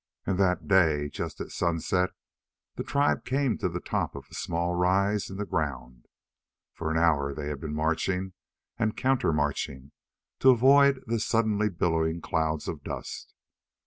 And that day, just at sunset, the tribe came to the top of a small rise in the ground. For an hour they had been marching and countermarching to avoid the suddenly billowing clouds of dust.